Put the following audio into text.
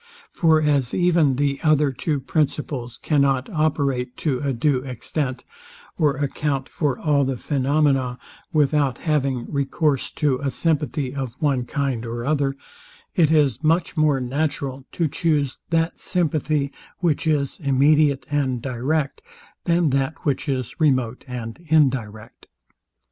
For as even the other two principles cannot operate to a due extent, or account for all the phaenomena, without having recourse to a sympathy of one kind or other; it is much more natural to chuse that sympathy, which is immediate and direct, than that which is remote and indirect.